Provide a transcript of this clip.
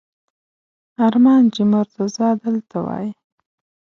ارمان چې مرتضی دلته وای!